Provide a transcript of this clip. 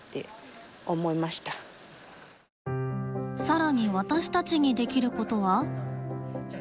更に私たちにできることは？